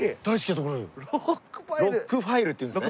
ロックファイルっていうんすね。